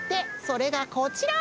それがこちら！